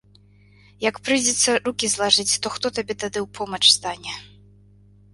Як прыйдзецца рукі злажыць, то хто табе тады ў помач стане?